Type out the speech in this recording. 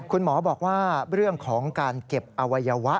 คุณหมอบอกว่าเรื่องของการเก็บอวัยวะ